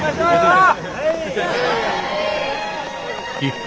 はい！